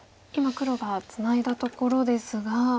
今黒がツナいだところですが。